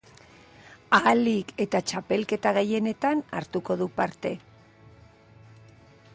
Ahalik eta txapelketa gehienetan hartuko du parte.